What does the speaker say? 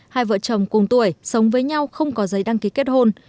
hai vợ chồng cùng tuổi sống với nhau không có giấy đăng ký kết hôn